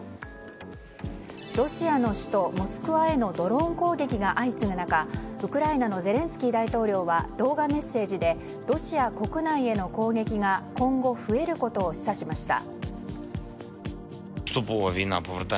ロシアの首都モスクワへのドローン攻撃が相次ぐ中、ウクライナのゼレンスキー大統領は動画メッセージでロシア国内への攻撃が今後、増えることを示唆しました。